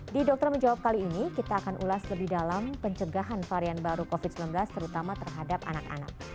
di dokter menjawab kali ini kita akan ulas lebih dalam pencegahan varian baru covid sembilan belas terutama terhadap anak anak